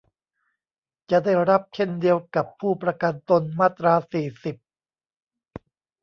จะได้รับเช่นเดียวกับผู้ประกันตน มาตรา สี่สิบ